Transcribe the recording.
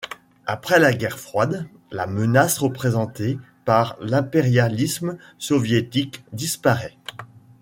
Après la guerre froide, la menace représentée par l'impérialisme soviétique disparaît.